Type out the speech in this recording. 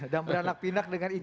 dan beranak pinak dengan ijen uri